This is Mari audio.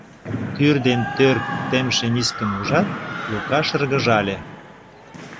Тӱр дене тӧр темше мискым ужат, Лука шыргыжале.